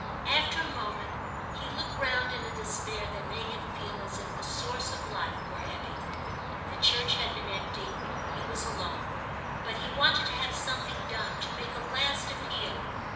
After a moment he looked round in a despair that made him feel as if the source of life were ebbing. The church had been empty—he was alone; but he wanted to have something done, to make a last appeal.